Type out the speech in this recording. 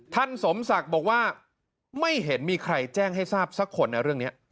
ท่านสมศักดิ์บอกว่าไม่เห็นมีใครแจ้งให้ทราบสักคนนะเรื่องนี้